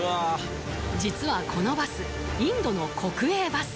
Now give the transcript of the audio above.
実はこのバスインドの国営バス